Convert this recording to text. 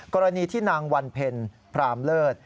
กรณีที่นางวันเพ็ญพรามเลิศ